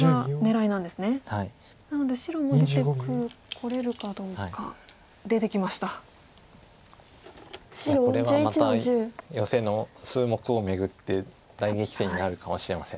いやこれはまたヨセの数目を巡って大激戦になるかもしれません。